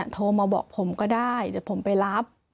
โทรมาบอกผมก็ได้เดี๋ยวผมไปรับ